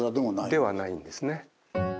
ではないんですね。